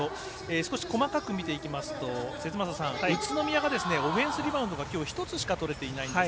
少し細かく見ていきますと宇都宮がオフェンスリバウンドがきょう１つしか取れてないんです。